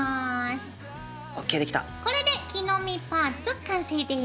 これで木の実パーツ完成です。